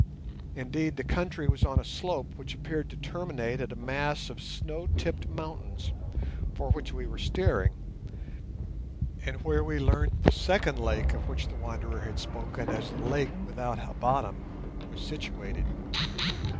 Indeed the country was on a slope which appeared to terminate at a mass of snow tipped mountains, for which we were steering, and where we learnt the second lake of which the wanderer had spoken as the lake without a bottom was situated.